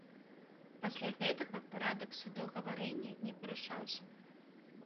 Пасля гэтага парадак судагаварэння не парушаўся.